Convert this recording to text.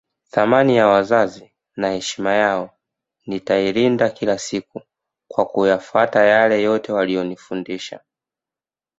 Thamani ya wazazi na heshima yao nitailinda kila siku kwa kuyafuata yale yote mliyonifundisha